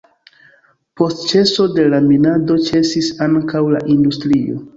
Post ĉeso de la minado ĉesis ankaŭ la industrio.